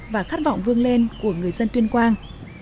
và khát vọng vươn lên của người dân tuyên quang